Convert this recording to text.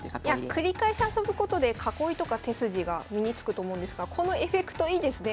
繰り返し遊ぶことで囲いとか手筋が身につくと思うんですがこのエフェクトいいですね。